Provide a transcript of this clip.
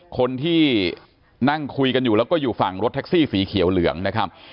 คนที่นั่งคุยกันอยู่แล้วก็อยู่ฝั่งรถแท็กซี่สีเขียวเหลืองนะครับ